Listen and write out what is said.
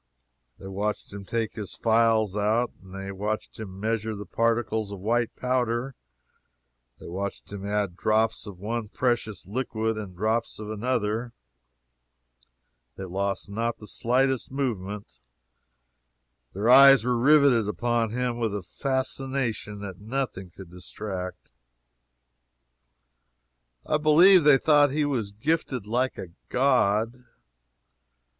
They watched him take his phials out; they watched him measure the particles of white powder; they watched him add drops of one precious liquid, and drops of another; they lost not the slightest movement; their eyes were riveted upon him with a fascination that nothing could distract. I believe they thought he was gifted like a god.